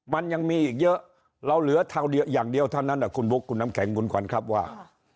มันยังมีอีกเยอะเราเหลือทางเดียวอย่างเดียวเท่านั้นคุณบุ๊คคุณน้ำแข็งคุณขวัญครับว่า